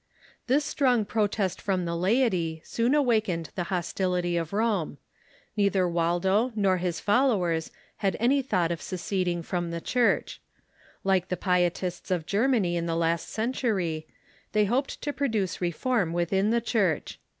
This strong protest from the laity soon awakened the hos tility of Rome. Neither Waldo nor his followers had any 154 THE MEDIEVAL CHURCH thought of seceding from the Church. Like the Pietists of Germany in the last century, they hoped to produce reform Avithin the Church.